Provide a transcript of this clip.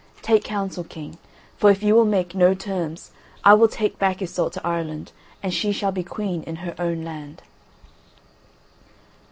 Take counsel, King, for if you will make no terms I will take back Iseult to Ireland, and she shall be Queen in her own land.